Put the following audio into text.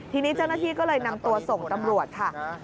ทีนี้เจ้าหน้าที่ก็เลยนำตัวส่งตำรวจค่ะ